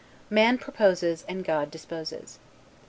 "Man proposes and God disposes."